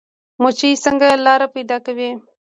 مچۍ څنګه لاره پیدا کوي؟